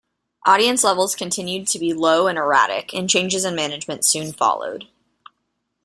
Audience levels continued to be low and erratic and changes in management soon followed.